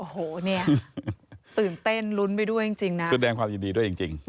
โอ้โหเนี่ยตื่นเต้นลุ้นไปด้วยจริงนะแสดงความยินดีด้วยจริง